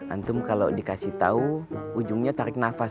antum kalau dikasih tahu ujungnya tarik nafas